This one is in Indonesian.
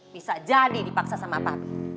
bisa jadi dipaksa sama apa